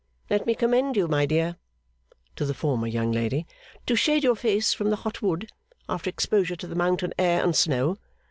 Let me commend you, my dear,' to the former young lady, 'to shade your face from the hot wood, after exposure to the mountain air and snow.